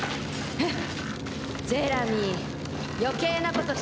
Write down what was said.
フッ！